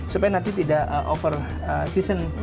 supaya nanti tidak over season